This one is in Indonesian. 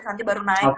nanti baru naik